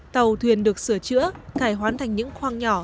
tàu thuyền được sửa chữa cải hoán thành những khoang nhỏ